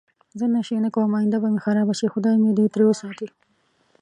زه نشی نه کوم اینده به می خرابه شی خدای می دی تری وساتی